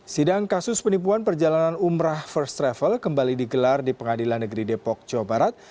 sidang kasus penipuan perjalanan umrah first travel kembali digelar di pengadilan negeri depok jawa barat